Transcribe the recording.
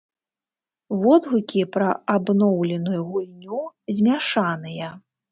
Водгукі пра абноўленую гульню змяшаныя.